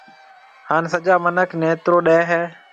ھان سجا مِنک نيترو ڏَي ھيََََ